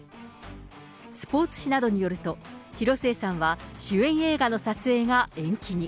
スポーツ紙などによると、広末さんは主演映画の撮影が延期に。